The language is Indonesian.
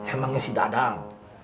emangnya si dadang